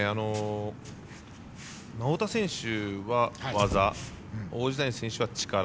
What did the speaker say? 太田選手は技王子谷選手は力。